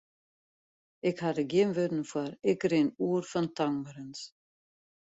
Ik ha der gjin wurden foar, ik rin oer fan tankberens.